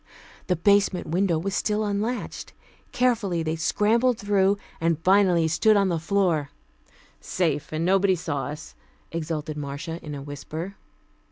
The basement window was still unlatched. Carefully they scrambled through, and finally stood on the floor "Safe, and nobody saw us," exulted Marcia in a whisper.